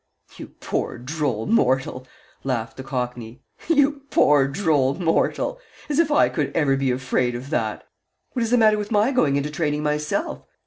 "You poor droll mortal!" laughed the cockney. "You poor droll mortal! As if I could ever be afraid of that! What is the matter with my going into training myself?